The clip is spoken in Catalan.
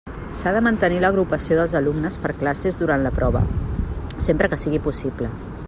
S'ha de mantenir l'agrupació dels alumnes per classes durant la prova, sempre que sigui possible.